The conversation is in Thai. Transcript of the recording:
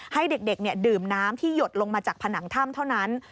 ให้เด็กดื่มน้ำที่หยดลงมาจากผนังถ้ำเท่านั้น